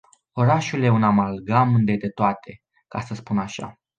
Orașul e un amalgam de detoate, ca să spun așa.